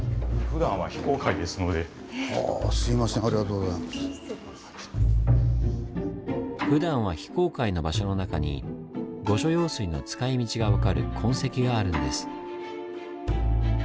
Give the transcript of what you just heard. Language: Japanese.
ふだんは非公開の場所の中に御所用水の使いみちが分かる痕跡があるんです。